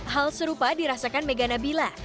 hal serupa dirasakan mega nabila